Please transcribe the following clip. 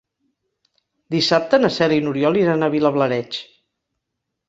Dissabte na Cel i n'Oriol iran a Vilablareix.